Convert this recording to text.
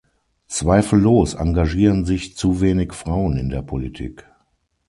Zweifellos engagieren sich zu wenig Frauen in der Politik.